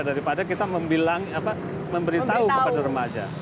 daripada kita memberi tahu kepada remaja